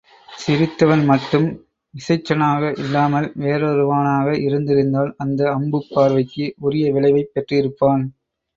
சிரித்தவன் மட்டும் இசைச்சனாக இல்லாமல் வேறொருவனாக இருந்திருந்தால் அந்த அம்புப் பார்வைக்கு உரிய விளைவைப் பெற்றிருப்பான்.